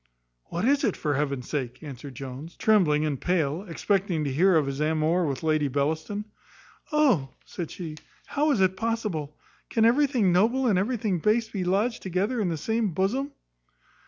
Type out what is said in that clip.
"What is it, for heaven's sake?" answered Jones, trembling and pale, expecting to hear of his amour with Lady Bellaston. "Oh," said she, "how is it possible! can everything noble and everything base be lodged together in the same bosom?"